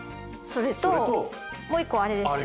それともう一個あれです。